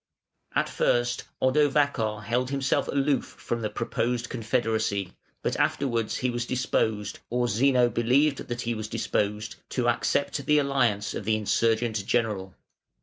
At first Odovacar held himself aloof from the proposed confederacy, but afterwards (486) he was disposed, or Zeno believed that he was disposed, to accept the alliance of the insurgent general.